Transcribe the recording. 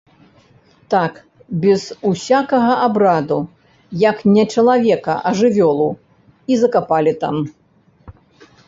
Так, без усякага абраду, як не чалавека, а жывёлу, і закапалі там.